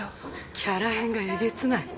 キャラ変がえげつない。